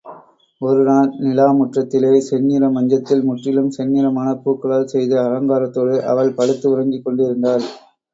ஒருநாள் நிலா முற்றத்திலே செந்நிற மஞ்சத்தில் முற்றிலும் செந்நிறமான பூக்களால் செய்த அலங்காரத்தோடு அவள் படுத்து உறங்கிக் கொண்டிருந்தாள்.